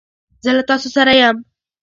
زه له تاسو سره یم.